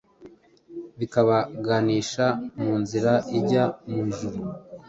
bikabaganisha mu nzira ijya mu ijuru.